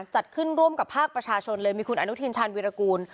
จัดขึ้นร่วมกับภาคประชาชนเลยมีคุณอนุทินชาญวิรากูล